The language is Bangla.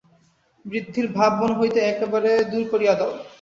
বৃদ্ধির ভাব মন হইতে একেবারে দূর করিয়া দাও।